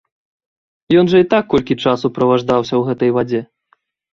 Ён жа і так колькі часу праваждаўся ў гэтай вадзе!